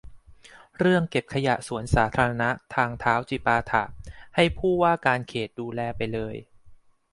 เรื่องเก็บขยะ สวนสาธารณะ ทางเท้า จิปาถะ ให้ผู้ว่าการเขตดูแลไปเลย